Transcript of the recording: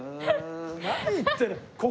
何言って。